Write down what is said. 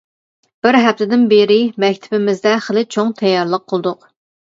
بىر ھەپتىدىن بىرى مەكتىپىمىزدە خىلى چوڭ تەييارلىق قىلدۇق.